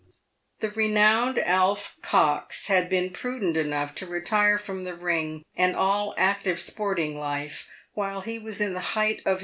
The renowned Alf Cox had been prudent enough to retire from the ring and all " active sporting life" while he was in the height of PAVED WITH GOLD.